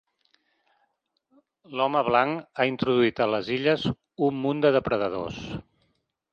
L'home blanc ha introduït a les illes un munt de depredadors.